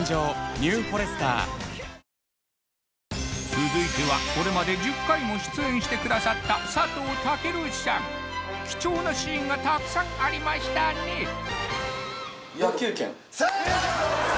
続いてはこれまで１０回も出演してくださった佐藤健さん貴重なシーンがたくさんありましたね・正解！